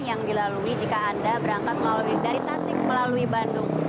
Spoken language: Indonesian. yang dilalui jika anda berangkat dari tasik melalui bandung